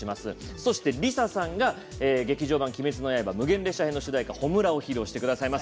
そして、ＬｉＳＡさんが劇場版「鬼滅の刃」無限列車編の主題歌「炎」を披露してくださいます。